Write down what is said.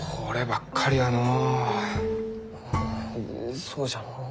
ううそうじゃのう。